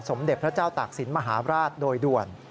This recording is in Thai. สมเด็จพระเจ้าตากศิลปมหาราชโดยด่วน